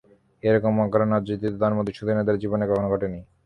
এরকম অকারণে অযাচিত দান মধুসূদনের দ্বারা জীবনে কখনো ঘটে নি।